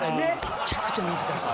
むちゃくちゃ難しい。